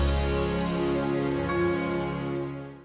kata kata terima kasih